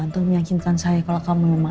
untuk meyakinkan saya kalau kamu